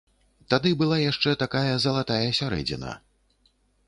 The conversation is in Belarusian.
Тады была яшчэ такая залатая сярэдзіна.